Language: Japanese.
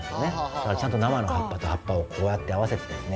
だからちゃんと生の葉っぱと葉っぱをこうやって合わせてですね